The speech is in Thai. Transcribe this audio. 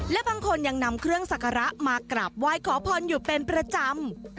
และบางคนยังนำเครื่องสักการะมากราบไหว้ขอพรอยู่เป็นประจำ